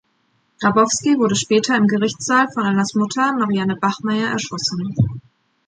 Grabowski wurde später im Gerichtssaal von Annas Mutter, Marianne Bachmeier, erschossen.